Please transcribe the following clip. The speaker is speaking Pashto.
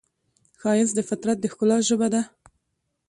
ښایست د فطرت د ښکلا ژبه ده